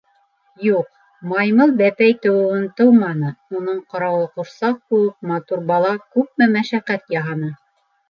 Юҡ, маймыл-бәпәй тыуыуын тыуманы, уның ҡарауы ҡурсаҡ кеүек матур бала күпме мәшәҡәт яһаны...